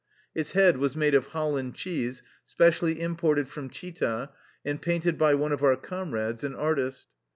Its head was made of Holland cheese specially imported from Chita and painted by one of our comrades, an artist.